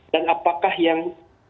dan apakah yang